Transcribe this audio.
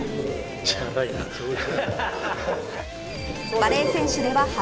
バレー選手では初。